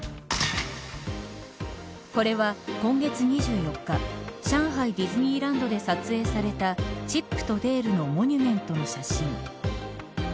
これは今月２４日上海ディズニーランドで撮影されたチップとデールのモニュメントの写真。